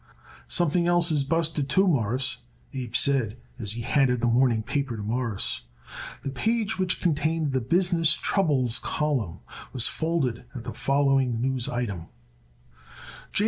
"Something else is busted, too, Mawruss," Abe said as he handed the morning paper to Morris. The page which contained the "Business Troubles" column was folded at the following news item: J.